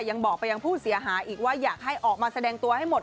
ยังบอกไปยังผู้เสียหายอีกว่าอยากให้ออกมาแสดงตัวให้หมด